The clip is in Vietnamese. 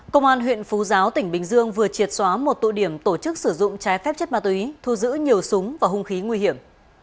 công an huyện phú giáo tỉnh bình dương vừa triệt xóa một tụ điểm tổ chức sử dụng trái phép chất ma túy thu giữ nhiều súng và hung khí nguy hiểm